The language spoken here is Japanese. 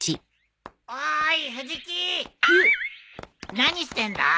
何してんだ？